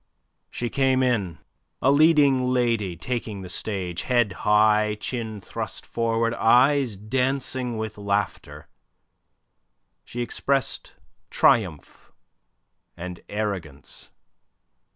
She came in, a leading lady taking the stage, head high, chin thrust forward, eyes dancing with laughter; she expressed triumph and arrogance.